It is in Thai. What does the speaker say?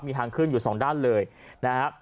มีทางขึ้นอยู่สองด้านเลยนะครับ